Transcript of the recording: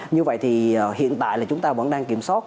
như vậy thì hiện tại là chúng ta vẫn đang kiểm soát